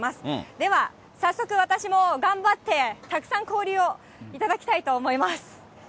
では早速私も頑張ってたくさん氷を頂きたいと思います。